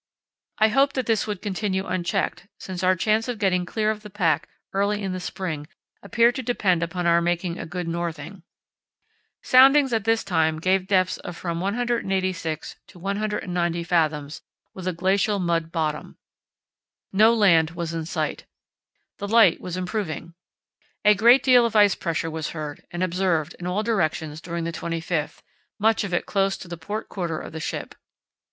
I hoped that this would continue unchecked, since our chance of getting clear of the pack early in the spring appeared to depend upon our making a good northing. Soundings at this time gave depths of from 186 to 190 fathoms, with a glacial mud bottom. No land was in sight. The light was improving. A great deal of ice pressure was heard and observed in all directions during the 25th, much of it close to the port quarter of the ship.